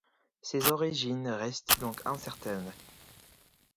Ses origines restent donc incertaines.